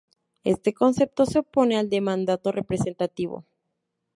Este concepto se opone al de mandato representativo.